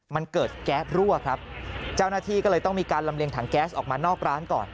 มันเกิดแก๊สรั่วครับเจ้าหน้าที่ก็เลยต้องมีการลำเลียงถังแก๊สออกมานอกร้านก่อน